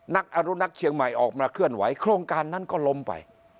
อนุรักษ์เชียงใหม่ออกมาเคลื่อนไหวโครงการนั้นก็ล้มไป